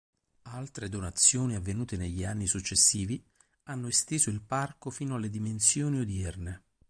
Altre donazioni, avvenute negli anni successivi, hanno esteso il parco fino alle dimensioni odierne.